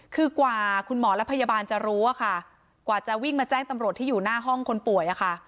คือกว่าคุณหมอและพยาบาลจะรู้อะค่ะกว่าจะวิ่งมาแจ้งตำรวจที่อยู่หน้าห้องคนป่วยอะค่ะ